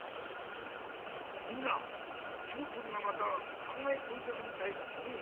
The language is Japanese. みんなＱくんがまたかんがえこんでるみたいだねぇ。